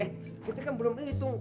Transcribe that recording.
eh kita kan belum ini itung